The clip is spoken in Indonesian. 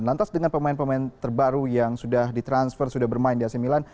bagaimana dengan pemain pemain terbaru yang sudah di transfer sudah bermain di ac milan